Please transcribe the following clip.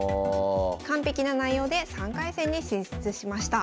完璧な内容で３回戦に進出しました。